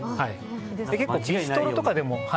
結構ビストロとかでも。